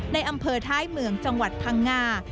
ในอำเภอท้ายเมืองจังหวัดพังงา